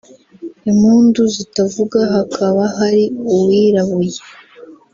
impundu zitavuga hakaba hari uwirabuye